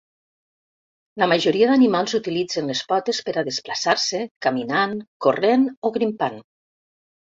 La majoria d'animals utilitzen les potes per a desplaçar-se, caminant, corrent o grimpant.